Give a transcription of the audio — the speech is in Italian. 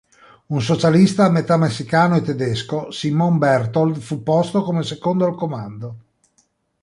Un socialista metà messicano e tedesco, Simón Berthold, fu posto come secondo al comando.